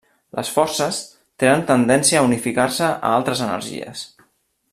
Les forces tenen tendència a unificar-se a altes energies.